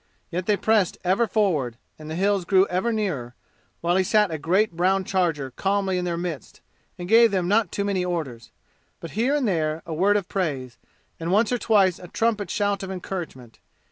Yet they pressed ever forward, and the hills grew ever nearer; while he sat a great brown charger calmly in their midst and gave them not too many orders, but here and there a word of praise, and once or twice a trumpet shout of encouragement.